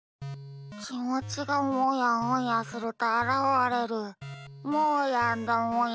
きもちがもやもやするとあらわれるもーやんだもや。